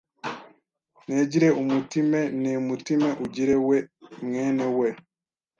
ntegire umutime, nte mutime ugire we mwene we